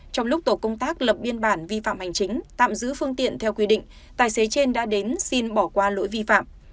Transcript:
trong lúc tổ công tác lập biên bản vi phạm hành chính tạm giữ phương tiện theo quy định tài xế trên đã đến xin bỏ qua lỗi vi phạm